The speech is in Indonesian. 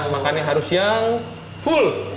makannya harus yang full